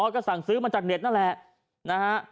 อ๋อก็สั่งซื้อมาจากเน็ตนั่นแหละ